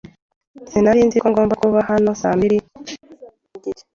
Sinari nzi ko ngomba kuba hano saa mbiri nigice.